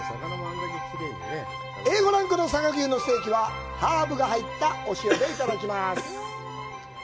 Ａ５ランクの佐賀牛のステーキはハーブが入った塩でいただきます。